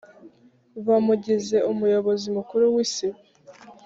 Bamugize umuyobozi mukuru wisibo